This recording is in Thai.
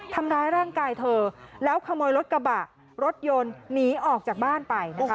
ทำร้ายร่างกายเธอแล้วขโมยรถกระบะรถยนต์หนีออกจากบ้านไปนะคะ